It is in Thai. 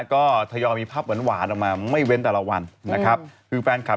ก็ทยอดมีภาพหวานออกมาไม่เว้นตลาดวันนะครับ